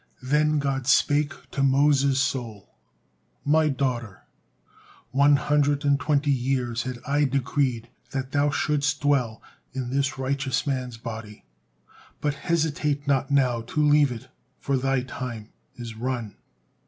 Then God spake to Moses' soul: "My daughter, one hundred and twenty years had I decreed that thou shouldst dwell in this righteous man's body, but hesitate not now to leave it, for thy time is run."